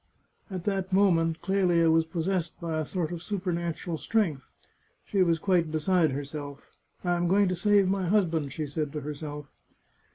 " At that moment Clelia was possessed by a sort of super natural strength. She was quite beside herself. " I am going to save my husband," she said to herself.